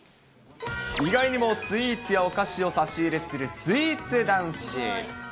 意外にもスイーツやお菓子を差し入れするスイーツ男子。